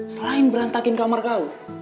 selain berantakin kamar kau